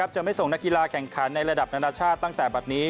จะไม่ส่งนักกีฬาแข่งขันในระดับนานาชาติตั้งแต่บัตรนี้